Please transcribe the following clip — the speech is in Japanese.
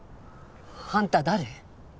あんた誰？